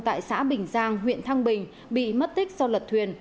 tại xã bình giang huyện thăng bình bị mất tích do lật thuyền